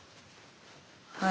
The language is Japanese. はい。